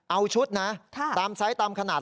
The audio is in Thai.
เอาชุดนะตามไซส์ตามขนาด